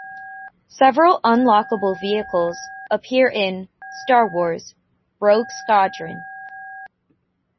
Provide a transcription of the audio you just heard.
Several unlockable vehicles appear in "Star Wars: Rogue Squadron".